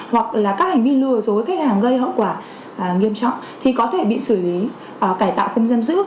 hoặc là các hành vi lừa dối khách hàng gây hậu quả nghiêm trọng thì có thể bị xử lý cải tạo không giam giữ